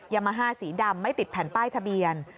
ยามาฮ่าสีดำไม่ติดแผ่นป้ายทะเบียน